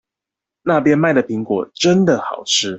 那邊賣的蘋果真的好吃